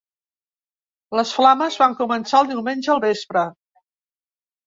Les flames van començar el diumenge al vespre.